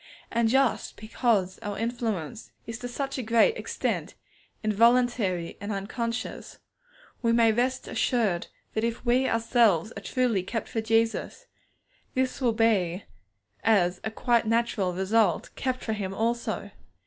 Just because our influence is to such a great extent involuntary and unconscious, we may rest assured that if we ourselves are truly kept for Jesus, this will be, as a quite natural result, kept for Him also.